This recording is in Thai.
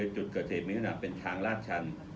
จุดเกิดเหตุมีทางลาดชัน